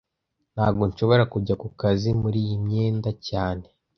Ntago nshobora kujya ku kazi muri iyi myenda cyane